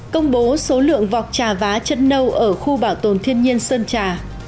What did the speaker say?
công bố số lượng vọc trà vá chân nâu ở khu bảo tồn thiên nhiên sơn trà